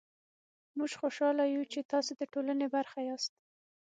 موژ خوشحاله يو چې تاسې ده ټولني برخه ياست